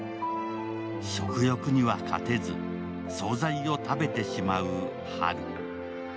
食欲には勝てず、惣菜を食べてしまう波留。